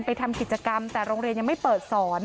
ทำกิจกรรมแต่โรงเรียนยังไม่เปิดสอน